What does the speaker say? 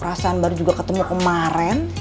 perasaan baru juga ketemu kemarin